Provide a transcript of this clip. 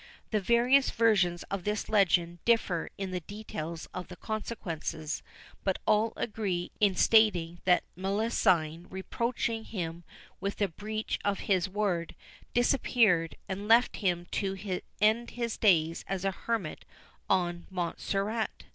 The various versions of this legend differ in the details of the consequences; but all agree in stating that Melusine, reproaching him with the breach of his word, disappeared, and left him to end his days as a hermit on Montserrat.